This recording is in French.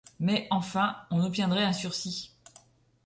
Mais enfin on obtiendrait un sursis.